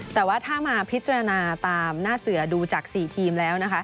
แต่ว่าถ้ามาพิจารณาตามหน้าเสือดูจาก๔ทีมแล้วนะคะ